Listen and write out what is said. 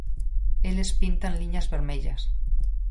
Eles pintan liñas vermellas.